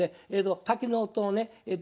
滝の音をね